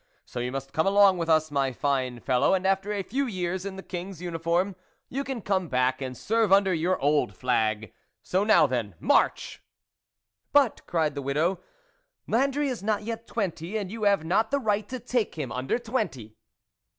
So you must come along with us, my fine fellow, and after a few years in the King's uniform, you can come back and serve under your old flag. So, now then, march! "" But," cried the widow, " Landry is not yet twenty, and you have not the right to take him under twenty."